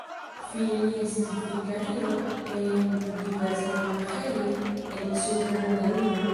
Fine li estis vikario en diversaj monaĥejoj en Supra Hungarujo.